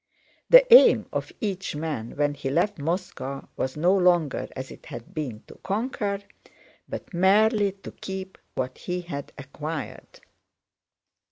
The aim of each man when he left Moscow was no longer, as it had been, to conquer, but merely to keep what he had acquired.